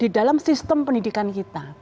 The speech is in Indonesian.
di dalam sistem pendidikan kita